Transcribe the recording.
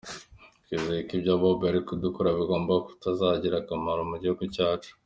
Twizeye ko ibyo Bob ari kudukorera bigomba kuzatugirira akamaro mu gihugu cyacu.